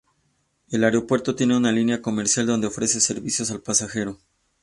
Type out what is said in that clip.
El aeropuerto tiene una línea comercial donde ofrece servicios al pasajero.